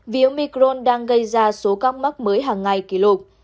vì omicron đang gây ra số các mắc mới hàng ngày kỷ lục